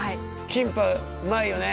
キンパうまいよね。